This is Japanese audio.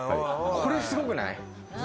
これすごくない？